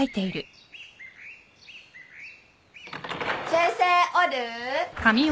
・・先生おる？